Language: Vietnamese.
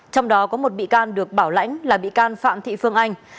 trong đó có một bị can được bảo lãnh là bị can phạm thị phương anh